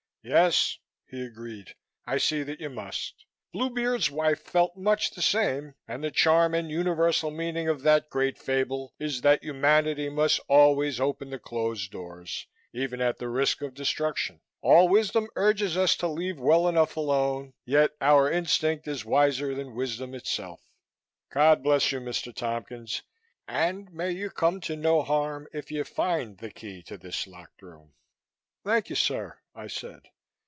"Yes," he agreed, "I see that you must. Bluebeard's wife felt much the same and the charm and universal meaning of that great fable is that humanity must always open the closed doors, even at the risk of destruction. All wisdom urges us to leave well enough alone, yet our instinct is wiser than wisdom itself. God bless you, Mr. Tompkins, and may you come to no harm if you find the key to this locked room." "Thank you, sir," I said.